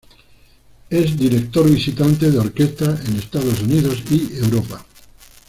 Es director visitante de orquestas en Estados Unidos y Europa.